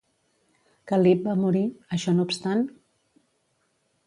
Cal·lip va morir, això no obstant?